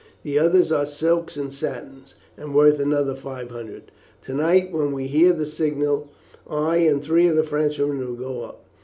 The others are silks and satins, and worth another five hundred. To night, when we hear the signal, I and three of the Frenchmen will go up.